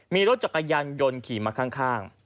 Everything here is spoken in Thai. มีรถจักรยานยนต์ขี่มาข้าง